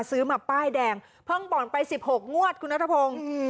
ซื้อมาป้ายแดงเพิ่งบ่อนไป๑๖งวดคุณนัทพงศ์